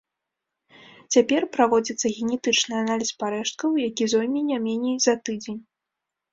Цяпер праводзіцца генетычны аналіз парэшткаў, які зойме не меней за тыдзень.